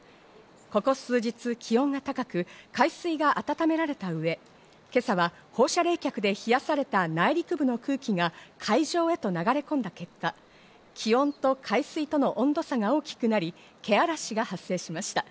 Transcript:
ここ数日、気温が高く、海水が温められた上、今朝は放射冷却で冷やされた内陸部の空気が、海上へと流れ込んだ結果、気温と海水との温度差が大きくなり、「けあらし」が発生しました。